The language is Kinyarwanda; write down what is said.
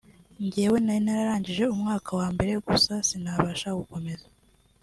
jyewe nari nararangije umwaka wa mbere gusa sinabasha gukomeza